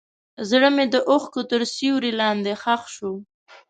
زړه مې د اوښکو تر سیوري لاندې ښخ شو.